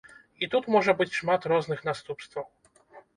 І тут можа быць шмат розных наступстваў.